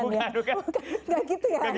nggak gitu ya